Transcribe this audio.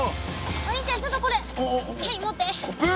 お兄ちゃんちょっとこれはい持って。